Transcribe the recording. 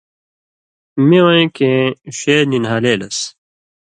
می وَیں کېں ݜے نی نھالے لس